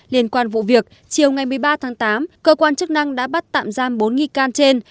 liên quan vụ việc chiều ngày một mươi ba tháng tám cơ quan chức năng đã bắt tạm giam bốn nghi can trên